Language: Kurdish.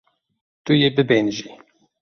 Tu yê bibêhnijî.